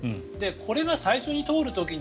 これが最初に通る時に。